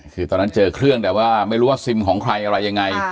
คือตอนนั้นเจอเครื่องแต่ว่าไม่รู้ว่าซิมของใครอะไรยังไง